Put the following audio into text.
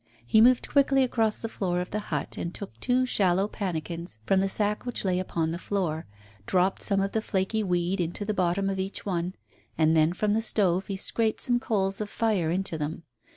He moved quickly across the floor of the hut and took two shallow pannikins from the sack which lay upon the floor, dropped some of the flaky weed into the bottom of each one, and then from the stove he scraped some coals of fire into them.